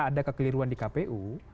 ada kekeliruan di kpu